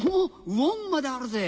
ウォンまであるぜ！